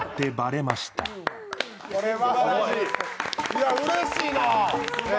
いや、うれしいな。